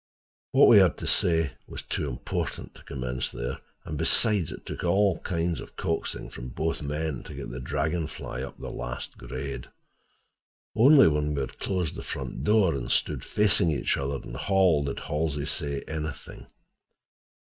What we had to say was too important to commence there, and, besides, it took all kinds of coaxing from both men to get the Dragon Fly up the last grade. Only when we had closed the front door and stood facing each other in the hall, did Halsey say anything.